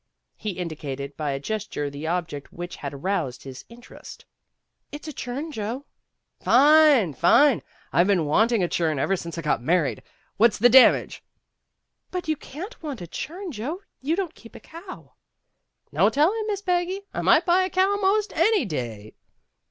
He indicated by a gesture the object which had aroused his interest. "That is a churn, Joe." "Fine! Fine! I've been wanting a churn ever since I got married. What 's the damage T '' "But you can't want a churn, Joe; you don't keep a cow. '' "No telling, Miss Peggy, I might buy a cow 'most any day."